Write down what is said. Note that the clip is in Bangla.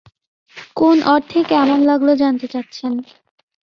কোন অর্থে কেমন লাগল জানতে চাচ্ছেন?